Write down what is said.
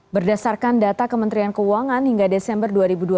berdasarkan data kementerian keuangan hingga desember dua ribu dua puluh